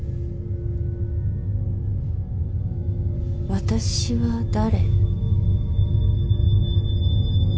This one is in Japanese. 私は誰？